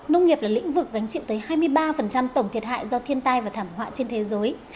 nông nghiệp là lĩnh vực gánh chịu tới hai mươi ba tổng thiệt hại do thiên tai và thảm họa trên thế giới